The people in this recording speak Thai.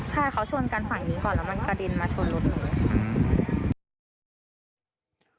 ใช่เขาชนกันฝั่งนี้ก่อนแล้วมันกระเด็นมาชนรถหนู